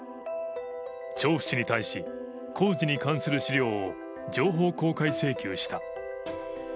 調布市に対し、工事に関する資料を情報公開請求した。